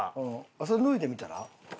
それ脱いでみたら？